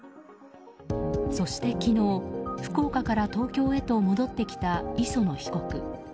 そして昨日、福岡から東京へと戻ってきた磯野被告。